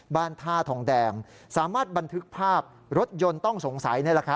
บ้านท่าทองแดงสามารถบันทึกภาพรถยนต์ต้องสงสัย